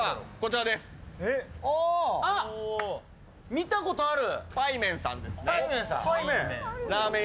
見たことある！